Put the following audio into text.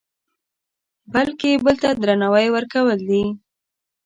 بلکې بل ته درناوی ورکول دي.